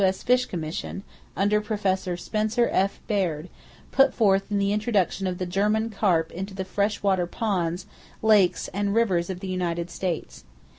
S. Fish Commission, under Prof. Spencer F. Baird, put forth in the introduction of the German carp into the fresh water ponds, lakes and rivers of the United States.